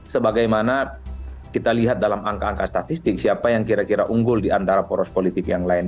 sebagaimana kita lihat dalam angka angka statistik siapa yang kira kira unggul di antara poros politik yang lain